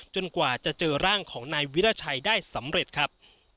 กว่าจะเจอร่างของนายวิราชัยได้สำเร็จครับ